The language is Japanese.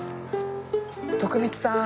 徳光さん！